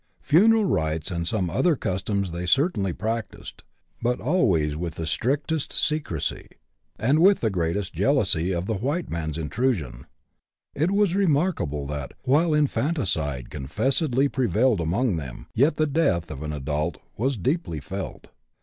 Funeral rites and some other customs they certainly practised, but always with the strictest secrecy, and with the greatest jealousy of the white man's intrusion. It was remarkable that, while infanticide confessedly prevailed among them, yet the death of an adult was deeply felt.